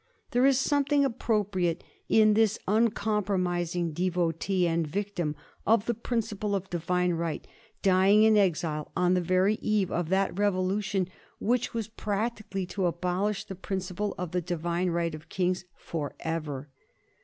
There is something appropriate in this uncompromising devotee and victim of the principle of divine right dying in exile on the very eve of that revolution which was practically to abolish the principle of the divine right of kings for ever.